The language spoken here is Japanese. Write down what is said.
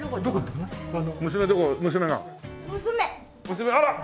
娘あら！